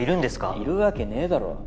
いるわけねぇだろ。